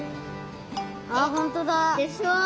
あっほんとだ。でしょう？